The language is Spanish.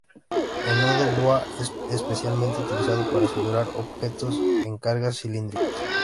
El nudo boa es especialmente utilizado para asegurar objetos en cargas cilíndricas.